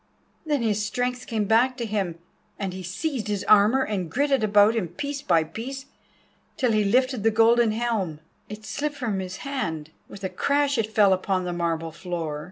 Then his strength came back to him, and he seized his armour and girt it about him piece by piece till he lifted the golden helm. It slipped from his hand; with a crash it fell upon the marble floor.